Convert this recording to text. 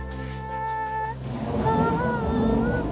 kalau kamu benar